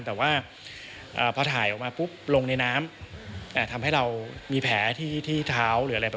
แต่ว่าพอถ่ายออกมาปุ๊บลงในน้ำทำให้เรามีแผลที่เท้าหรืออะไร